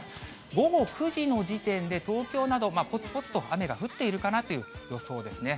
午後９時の時点で、東京など、ぽつぽつと雨が降っているかなという予想ですね。